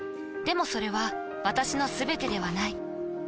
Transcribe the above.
でもそれは私のすべてではない。